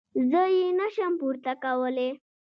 زه يې نه شم پورته کولاى.